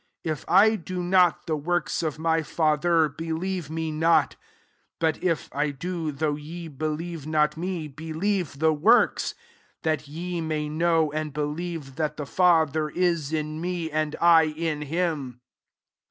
37 If I do not the works of my Father, believe me not : 38 but if I do, though ye believe not me, believe the works : that ye may know and believe that the Father ia in me, ind I in him."